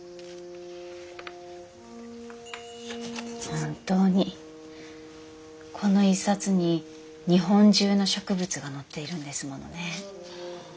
本当にこの一冊に日本中の植物が載っているんですものね。